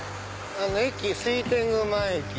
水天宮前駅。